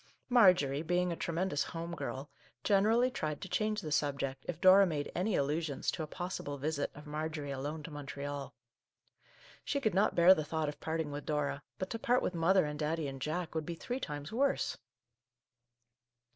Marjorie, being a tremendous home girl, generally tried to change the subject if Dora made any allusions to a possible visit of Mar jorie alone to Montreal. She could not bear the thought of parting with Dora, but to part with mother and Daddy and Jack would be three times worse